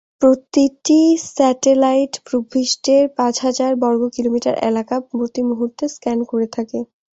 প্রতিটি স্যাটেলাইট ভূপৃষ্ঠের পাঁচ হাজার বর্গকিলোমিটার এলাকা প্রতি মুহূর্তে স্ক্যান করে থাকে।